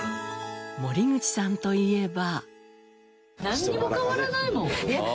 森口さんといえば。